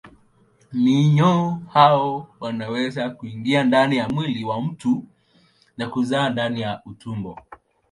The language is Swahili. Minyoo hao wanaweza kuingia ndani ya mwili wa mtu na kuzaa ndani ya utumbo.